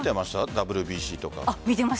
ＷＢＣとか。